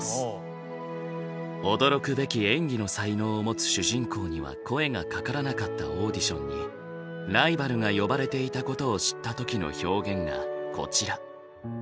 驚くべき演技の才能を持つ主人公には声がかからなかったオーディションにライバルが呼ばれていたことを知った時の表現がこちら。